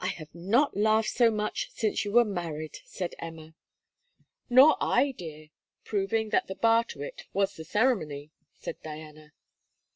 'I have not laughed so much since you were married,' said Emma. 'Nor I, dear; proving that the bar to it was the ceremony,' said Diana.